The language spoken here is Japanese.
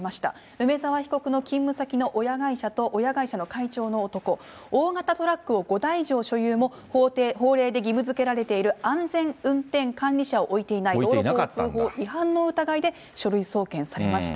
梅沢被告の勤務先の親会社と親会社の会長の男、大型トラックを５台以上所有も、法令で義務づけられている安全運転管理者を置いていない、道路交通法違反の疑いで書類送検されました。